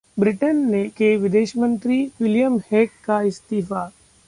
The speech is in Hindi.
ब्रिटेन के विदेश मंत्री विलियम हेग का इस्तीफा